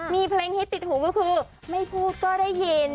มีเพลงฮิตติดหูก็คือไม่พูดก็ได้ยิน